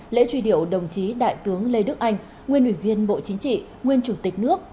lễ truy điệu đồng chí đại tướng lê đức anh nguyên ủy viên bộ chính trị nguyên chủ tịch nước